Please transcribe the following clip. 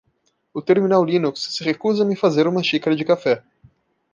O terminal Linux se recusa a me fazer uma xícara de café.